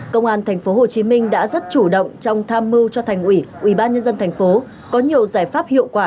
công an tp hcm đã rất chủ động trong tham mưu cho thành ủy ubnd tp có nhiều giải pháp hiệu quả